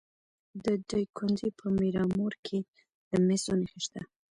د دایکنډي په میرامور کې د مسو نښې شته.